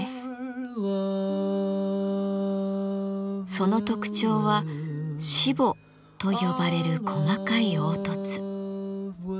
その特徴はしぼと呼ばれる細かい凹凸。